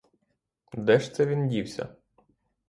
Де ж це він дівся?